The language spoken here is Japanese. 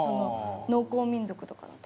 農耕民族とかだと。